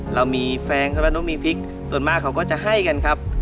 เรามีแฟนใช่ไหมน้องมีพริกส่วนมากเขาก็จะให้กันครับ